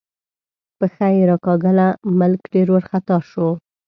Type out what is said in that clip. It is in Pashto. پښه یې راکاږله، ملک ډېر وارخطا شو.